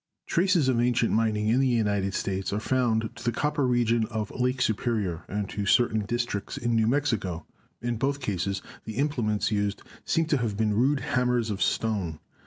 Traces of ancient mining in the United States are found to the copper region of Lake Superior and to c^rtaiia districts in New Mexico. In both cases the im plements used seem to have been rude hammers of stone.